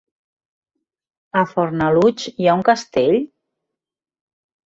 A Fornalutx hi ha un castell?